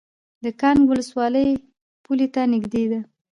د کانګ ولسوالۍ پولې ته نږدې ده